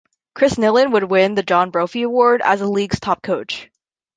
Chris Nilan would win the John Brophy Award as the league's top coach.